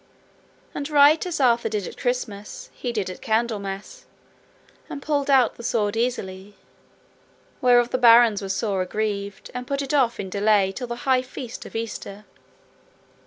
And right as Arthur did at Christmas, he did at Candlemas, and pulled out the sword easily, whereof the barons were sore aggrieved and put it off in delay till the high feast of Easter.